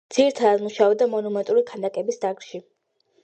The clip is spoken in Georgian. ძირითადად მუშაობდა მონუმენტური ქანდაკების დარგში.